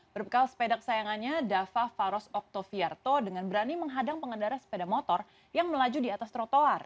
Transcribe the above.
berbekal sepeda kesayangannya dava faros octoviarto dengan berani menghadang pengendara sepeda motor yang melaju di atas trotoar